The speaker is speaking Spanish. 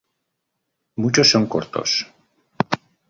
Muchos son cortos.